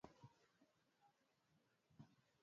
aliweza kujitokeza eh akasema kwamba